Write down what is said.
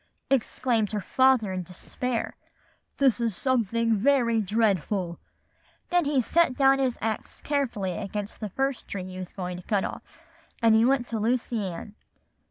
exclaimed her father in despair, 'this is something very dreadful.' Then he set his axe carefully up against the first tree he was going to cut off, and he went to Lucy Ann.